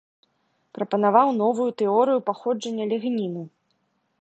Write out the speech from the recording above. Прапанаваў новую тэорыю паходжання лігніну.